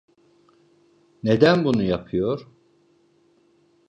Neden bunu yapıyor?